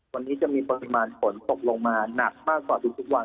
วันนี้จะมีปริมาณฝนตกลงมาหนักมากกว่าทุกวัน